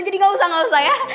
jadi gak usah gak usah ya